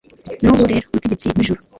n'ubu rero, mutegetsi w'ijuru